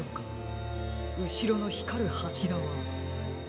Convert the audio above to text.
うしろのひかるはしらは。